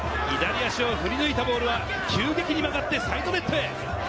左足を振り抜いたボールは急激に曲がってサイドネットへ。